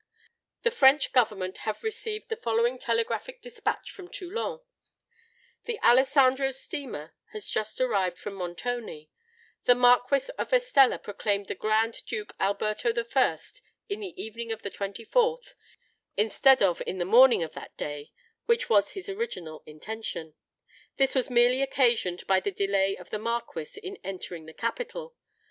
"The French Government have received the following Telegraphic Despatch from Toulon:— "'The Alessandro steamer has just arrived from Montoni. THE MARQUIS OF ESTELLA proclaimed the GRAND DUKE ALBERTO I. _in the evening of the 24th, instead of in the morning of that day, which was his original intention. This was merely occasioned by the delay of the Marquis in entering the capital.